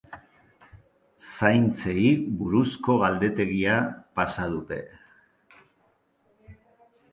Zaintzei buruzko galdetegia pasa dute.